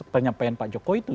penyampaian pak jokowi itu